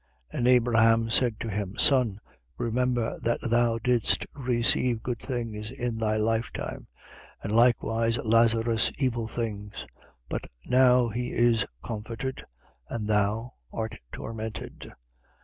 16:25. And Abraham said to him: Son, remember that thou didst receive good things in thy lifetime, and likewise Lazarus evil things: but now he is comforted and thou art tormented.